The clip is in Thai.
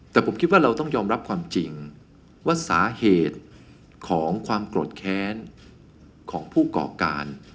แต่ผมคิดว่าเราต้องยอมรับความจริงว่าสาเหตุของความโกรธแค้นของผู้ก่อการ